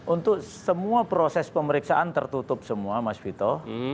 untuk semua proses pemeriksaan tertutup semua mas vito